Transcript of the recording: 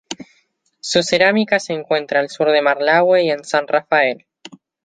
Su cerámica se encuentra al sur de Malargüe y en San Rafael.